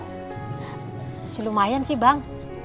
masih lumayan sih bang